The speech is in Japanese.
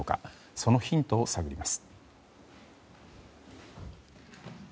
そのヒントを探ります。